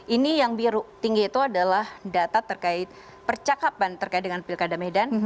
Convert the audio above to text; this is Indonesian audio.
ini yang biru tinggi itu adalah data terkait percakapan terkait dengan pilkada medan